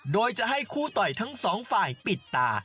โดยจะให้คู่ต่อยทั้งสองฝ่ายปิดตา